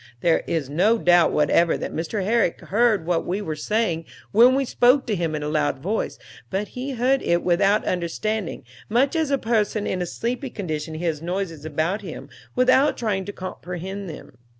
There is no doubt whatever that Mr. Herrick heard what we were saying when we spoke to him in a loud voice, but he heard it without understanding, much as a person in a sleepy condition hears noises about him without trying to comprehend them.